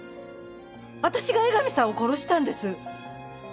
私が江上さんを殺したんです！